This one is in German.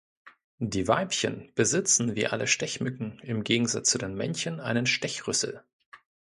Die Weibchen besitzen wie alle Stechmücken im Gegensatz zu den Männchen einen Stechrüssel.